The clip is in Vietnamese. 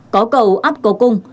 có cầu át có cung